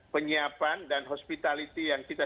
penyiapan dan hospitality yang kita